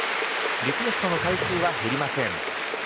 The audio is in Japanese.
リクエストの回数は減りません。